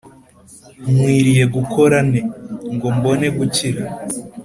nkwiriye gukora nte, ngo mbone gukira?